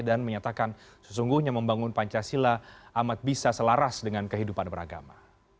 dan menyatakan sesungguhnya membangun pancasila amat bisa selaras dengan kehidupan beragama